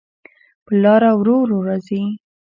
پر لاره ورو، ورو راځې